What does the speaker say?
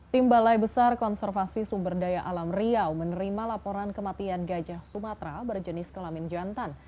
timbalai besar konservasi sumberdaya alam riau menerima laporan kematian gajah sumatra berjenis kelamin jantan